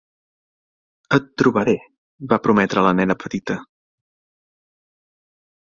"Et trobaré", va prometre a la nena petita.